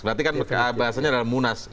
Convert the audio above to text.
berarti kan bahasanya adalah munas